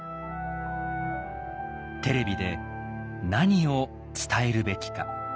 テレビで何を伝えるべきか。